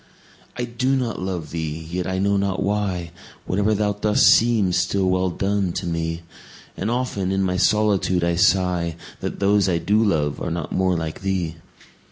I do not love thee!—yet, I know not why, 5 Whate'er thou dost seems still well done, to me: And often in my solitude I sigh That those I do love are not more like thee!